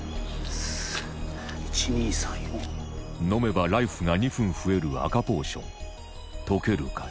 飲めばライフが２分増える赤ポーション解けるか？